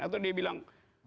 atau dia bilang